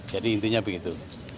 jadi intinya begitu